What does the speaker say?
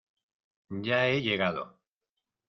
ya he llegado.